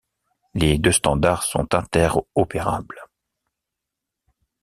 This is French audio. Les deux standards sont interopérables.